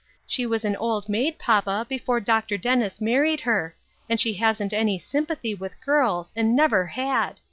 She was an old maid, papa, before Dr. Dennis married her. and she hasn't any sympathy with girls, and never had.